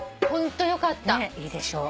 いいでしょ。